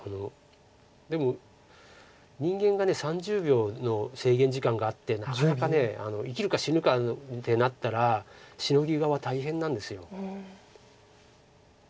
でも人間が３０秒の制限時間があってなかなか生きるか死ぬかってなったらシノギ側は大変なんです。